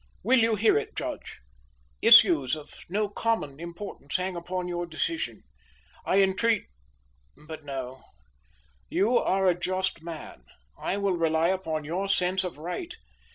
Will you hear it, judge? Issues of no common importance hang upon your decision. I entreat but no, you are a just man; I will rely upon your sense of right.